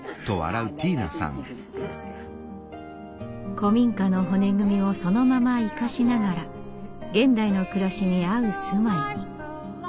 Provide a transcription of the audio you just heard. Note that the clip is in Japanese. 古民家の骨組みをそのまま生かしながら現代の暮らしに合う住まいに。